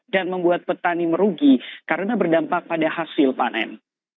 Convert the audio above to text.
dan membuat petani merugi karena berdampak pada hasil panen